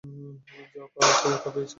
যা পাওয়ার ছিল তা পেয়েছি।